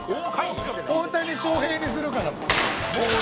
大谷翔平にするからもう。